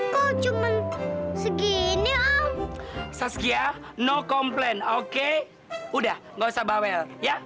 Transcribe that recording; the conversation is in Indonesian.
kok cuman segini om saskia no komplain oke udah nggak usah bawel ya